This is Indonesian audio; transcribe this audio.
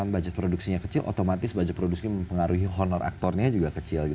budget produksinya kecil otomatis budget produksi mempengaruhi honor aktornya juga kecil